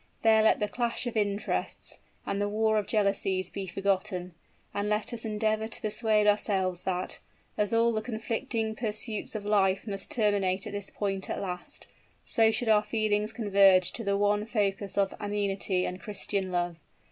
There let the clash of interests and the war of jealousies be forgotten; and let us endeavor to persuade ourselves that, as all the conflicting pursuits of life must terminate at this point at last, so should our feelings converge to the one focus of amenity and Christian love.